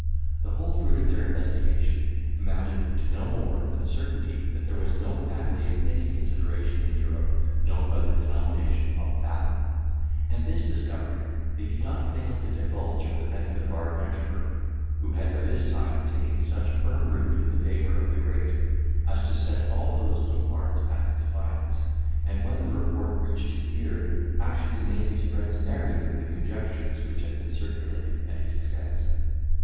The whole fruit of their investigation amounted to no more than a certainty that there was no family of any consideration in Europe known by the denomination of Fathom; and this discovery they did not fail to divulge for the benefit of our adventurer, who had by this time taken such firm root in the favour of the great, as to set all those little arts at defiance; and when the report reached his ear, actually made his friends merry with the conjectures which had been circulated at his expense.